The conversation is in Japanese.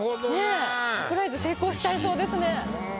サプライズ成功しちゃいそうですね。